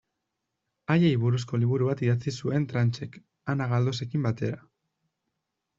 Haiei buruzko liburu bat idatzi zuen Tranchek, Ana Galdosekin batera.